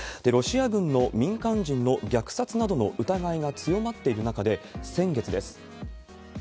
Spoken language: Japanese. ロシア軍の民間人の虐殺などの疑いが強まっている中で、先月です。